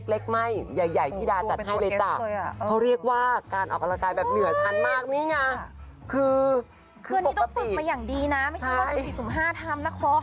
เล็กใหม่ใหญ่พี่ดาจัดให้เล็กเขาเรียกว่าการออกลงการแบบเหนือชั้นนานมากนี่น่ะ